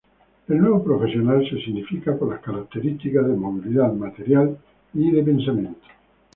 El nuevo profesional se significa por las características de movilidad material y de pensamiento.